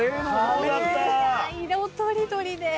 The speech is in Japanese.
色とりどりで。